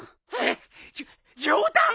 じょっ冗談！？